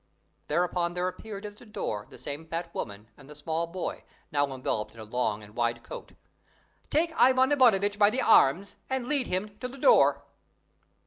Thereupon there appeared at the door the same fat woman and the small boy, now enveloped in a long and wide coat. "Take Ivan Ivanovitch by the arms and lead him to the door!"